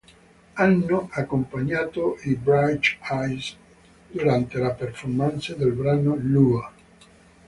Hanno accompagnato i Bright Eyes durante la performance del brano "Lua".